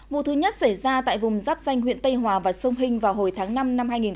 vụ thứ nhất xảy ra tại vùng rắp xanh huyện tây hòa và sông hinh vào hồi tháng năm năm hai nghìn hai mươi